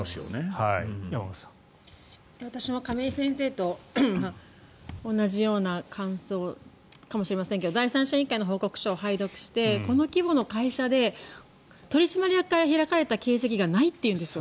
私も亀井先生と同じような感想かもしれませんが第三者委員会の報告書を拝読してこの規模の会社で取締役会が開かれた形跡がないというんでしょ？